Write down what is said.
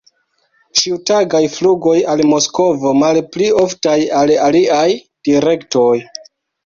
Ĉiutagaj flugoj al Moskvo, malpli oftaj al aliaj direktoj.